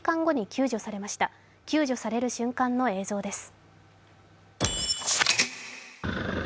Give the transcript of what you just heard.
救助される瞬間の映像です。